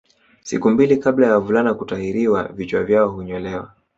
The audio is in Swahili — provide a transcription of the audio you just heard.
Siku mbili kabla ya wavulana kutahiriwa vichwa vyao hunyolewa